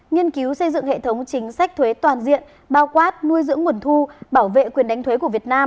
nghiên cứu xây dựng hệ thống chính sách thuế toàn diện bao quát nuôi dưỡng nguồn thu bảo vệ quyền đánh thuế của việt nam